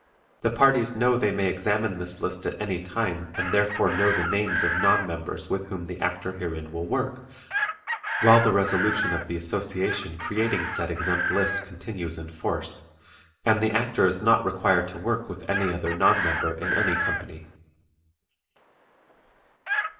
The parties know they may examine this list at any time and therefore know the names of non members with whom the actor herein will work while the resolution of the Association creating said exempt list continues in force; and the actor is not required to work with any other non member in any company.